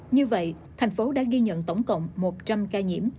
như vậy thành phố đã ghi nhận tổng cộng một trăm linh ca nhiễm